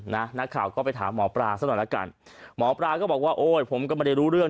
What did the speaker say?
นักข่าวก็ไปถามหมอปลาซะหน่อยละกันหมอปลาก็บอกว่าโอ้ยผมก็ไม่ได้รู้เรื่อง